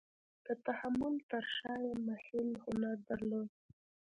د تحمل تر شا یې محیل هنر درلود.